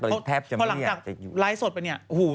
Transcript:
ตอนนี้แทบจะไม่อยากจะอยู่พอหลังจากไลฟ์สดไปเนี่ยหู